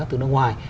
từ nước ngoài